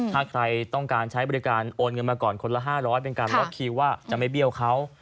ถ้าใครต้องการใช้บริการโอนเงินมาก่อนคนละ๕๐๐เป็นการล็อกคิวว่าจะไม่เบี้ยวเขา